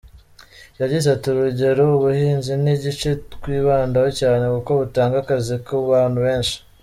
Yagize ati “Urugero, ubuhinzi ni igice twibandaho cyane kuko butanga akazi ku bantu benshi.